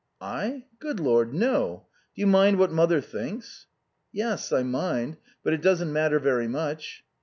"I? Good Lord no! Do you mind what mother thinks?" "Yes, I mind. But it doesn't matter very much."